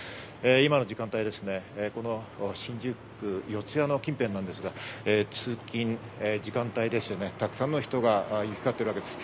今の時間帯、この新宿区四谷の近辺、通勤時間帯ですよね、たくさんの人が行きかっているわけです。